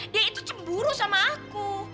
dia itu cemburu sama aku